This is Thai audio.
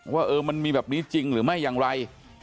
ว่ามันมีแบบนี้จริงหรือไม่อย่างไร